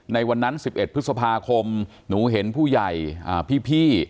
ในวันนั้นสิบเอ็ดพฤษภาคมหนูเห็นผู้ใหญ่อ่าพี่พี่